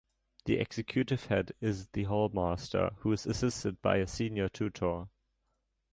The executive head is the hall master, who is assisted by a senior tutor.